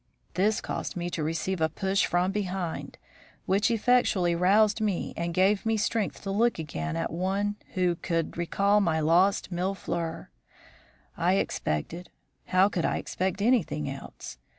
This caused me to receive a push from behind which effectually roused me and gave me strength to look again at one who could recall my lost Mille fleurs. I expected how could I expect anything else?